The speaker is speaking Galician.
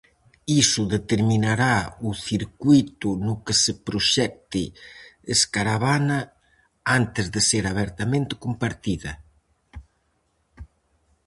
Iso determinará o circuíto no que se proxecte "escarabana" antes de ser abertamente compartida.